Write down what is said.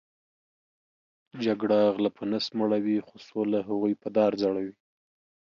جګړه غلۀ په نس مړؤی خو سوله هغوې په دار ځړؤی